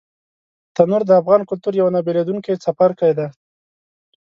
تنور د افغان کلتور یو نه بېلېدونکی څپرکی دی